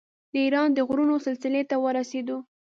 د ایران د غرونو سلسلې ته ورسېدو.